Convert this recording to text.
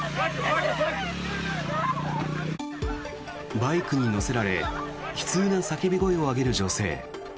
バイクに乗せられ悲痛な叫び声を上げる女性。